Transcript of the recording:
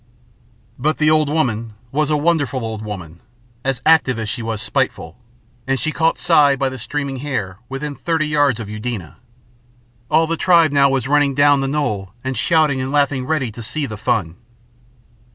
But the old woman was a wonderful old woman, as active as she was spiteful, and she caught Si by the streaming hair within thirty yards of Eudena. All the tribe now was running down the knoll and shouting and laughing ready to see the fun.